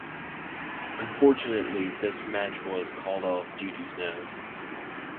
Unfortunately this match was called off due to snow.